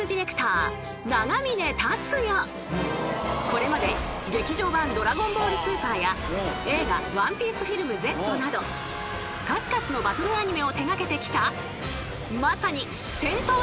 ［これまで劇場版『ドラゴンボール超』や映画『ＯＮＥＰＩＥＣＥＦＩＬＭＺ』など数々のバトルアニメを手掛けてきたまさに］